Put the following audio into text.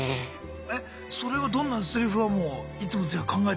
それはどんなセリフはもういつもじゃあ考えて？